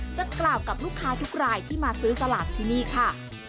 จะกล่าวกับลูกค้าทุกรายที่มาซื้อสลากที่นี่ค่ะ